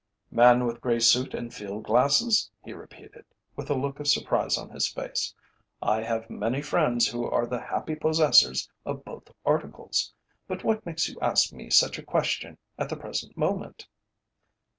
"Man with grey suit and field glasses?" he repeated, with a look of surprise on his face. "I have many friends who are the happy possessors of both articles. But what makes you ask me such a question at the present moment?"